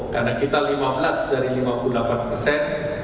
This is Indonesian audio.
karena kita lima belas dari lima puluh delapan persen